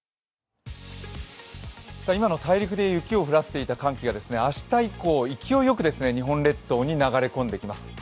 今の大陸で雪を降らせていた寒気が明日以降勢いよく日本列島に流れ込んできます。